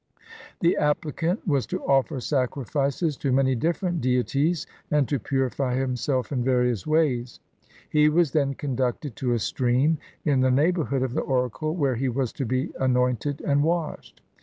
The appKcant was to offer sacrifices to many different deities and to purify himself in various ways. He was then con ducted to a stream in the neighborhood of the oracle, where he was to be anointed and washed.